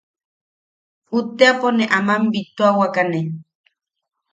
Utteʼapo nee aman bittuawakane.